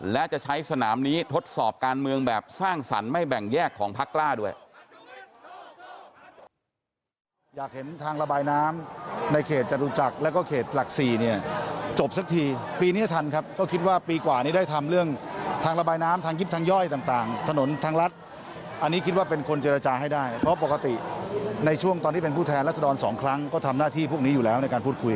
และจะใช้สนามนี้ทดสอบการเมืองแบบสร้างสรรค์ไม่แบ่งแยกของพักกล้าด้วย